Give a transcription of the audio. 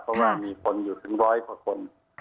เพราะว่ามีคนอยู่ถึงร้อยกว่าคน